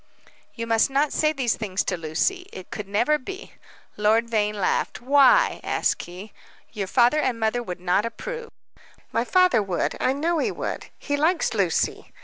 "You must not say these things to Lucy. It could never be." Lord Vane laughed. "Why?" asked he. "Your father and mother would not approve." "My father would I know he would. He likes Lucy.